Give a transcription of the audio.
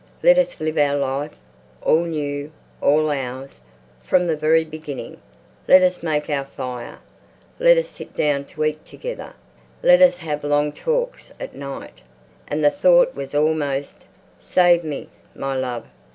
Let us live our life, all new, all ours, from the very beginning. Let us make our fire. Let us sit down to eat together. Let us have long talks at night." And the thought was almost, "Save me, my love.